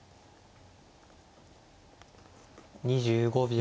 ２５秒。